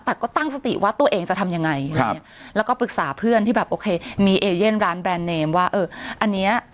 แต่ก็ตั้งสติว่าตัวเองจะทำยังไงอะไรอย่างเงี้ยแล้วก็ปรึกษาเพื่อนที่แบบโอเคมีเอเย่นร้านแบรนด์เนมว่าเอออันเนี้ย